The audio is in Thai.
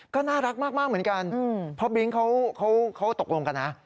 ก็น่ารักมากเหมือนกันเพราะบริ้งเขาตกลงกันนะ